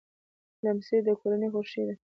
لمسی د کورنۍ خوښي ده.